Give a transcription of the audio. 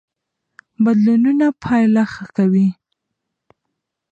بدلونونه پایله ښه کوي.